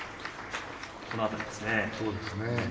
この辺りですね。